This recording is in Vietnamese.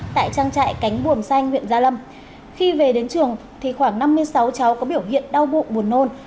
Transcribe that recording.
tại trang trại cánh buồm xanh huyện gia lâm khi về đến trường thì khoảng năm mươi sáu cháu có biểu hiện đau bụng buồn nôn